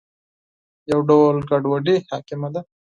یو ډول ګډوډي حاکمه ده.